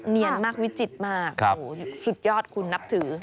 เนียนมากวิจิตรมากสุดยอดคุณนับถือ